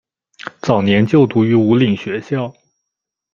早年就读于武岭学校。